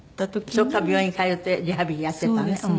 そこから病院に通ってリハビリやってたのね。